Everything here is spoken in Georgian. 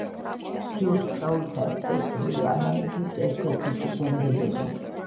ციურ სხეულთა სპექტრული ანალიზის ერთ-ერთი ფუძემდებელი.